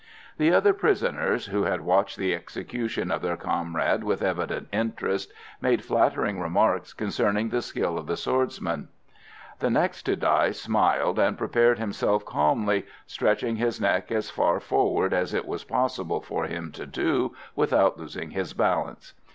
The other prisoners, who had watched the execution of their comrade with evident interest, made flattering remarks concerning the skill of the swordsman. The next to die smiled, and prepared himself calmly, stretching his neck as far forward as it was possible for him to do without losing his balance.